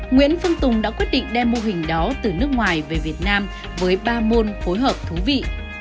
nguyễn phương tùng đã quyết định đem mô hình đó từ nước ngoài về việt nam với ba môn phối hợp thú vị